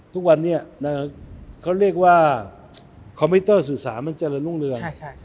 ทุกวันนี้เขาเรียกว่าคอมพิวเตอร์ศึกษามันจะระลุ้งเรือน